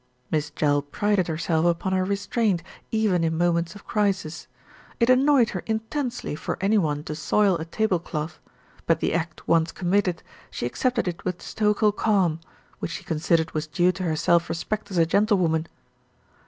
Miss Jell prided herself upon her restraint, even in moments of crisis. It annoyed her intensely for any one to soil a tablecloth; but the act once com mitted, she accepted it with stoical calm, which she considered was due to her self respect as a gentle woman.